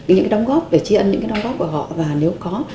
những cái đóng góp để tri ân những cái đóng góp của họ và nếu có